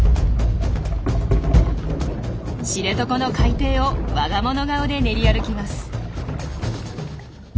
知床の海底をわが物顔で練り歩きます。